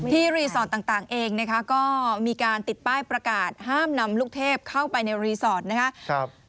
รีสอร์ทต่างเองนะคะก็มีการติดป้ายประกาศห้ามนำลูกเทพเข้าไปในรีสอร์ทนะครับ